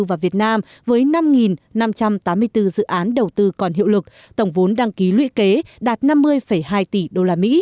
và việt nam với năm năm trăm tám mươi bốn dự án đầu tư còn hiệu lực tổng vốn đăng ký lũy kế đạt năm mươi hai tỷ usd